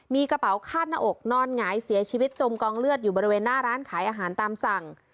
มีกระเป๋าคาดหน้าอกนอนหงายเสียชีวิตจมกองเลือดอยู่บริเวณหน้าร้านขายอาหารตามสั่ง